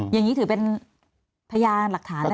อย่างนี้ถือเป็นพยานหรือหลักฐาน